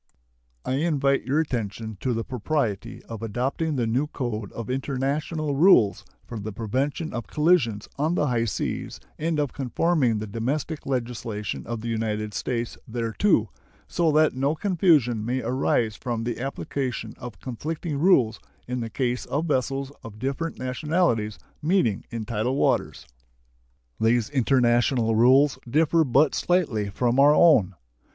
I invite your attention to the propriety of adopting the new code of international rules for the prevention of collisions on the high seas and of conforming the domestic legislation of the United States thereto, so that no confusion may arise from the application of conflicting rules in the case of vessels of different nationalities meeting in tidal waters. These international rules differ but slightly from our own.